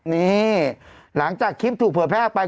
นี่หลังจากคลิปถูกเผยแพร่ออกไป